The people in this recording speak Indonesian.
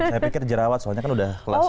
saya pikir jerawat soalnya kan udah kelas